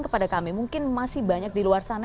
kepada kami mungkin masih banyak di luar sana